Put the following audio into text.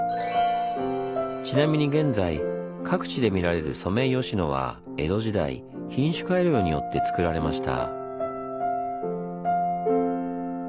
ちなみに現在各地で見られるソメイヨシノは江戸時代品種改良によってつくられました。